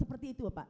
seperti itu apa